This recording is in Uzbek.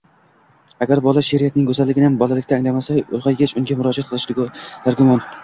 Agar bola sheʼriyatning go‘zalligini bolalikda anglamasa, ulg‘aygach unga murojaat qilishi dargumon.